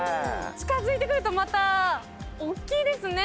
近づいてくるとまたおっきいですね。